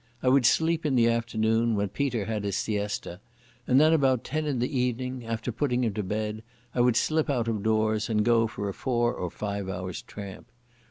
I would sleep in the afternoon, when Peter had his siesta, and then about ten in the evening, after putting him to bed, I would slip out of doors and go for a four or five hours' tramp.